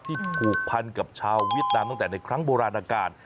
ผูกพันกับชาวเวียดนามตั้งแต่ในครั้งโบราณการ